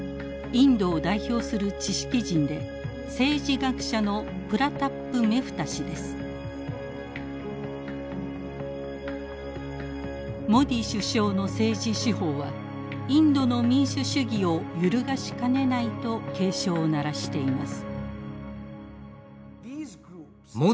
インドを代表する知識人でモディ首相の政治手法はインドの民主主義を揺るがしかねないと警鐘を鳴らしています。